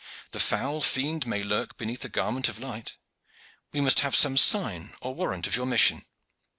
"The foul fiend may lurk beneath a garment of light. We must have some sign or warrant of your mission."